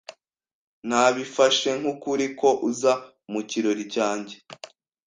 Nabifashe nk'ukuri ko uza mu kirori cyanjye.